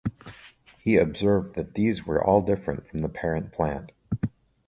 He observed that these were all different from the parent plant.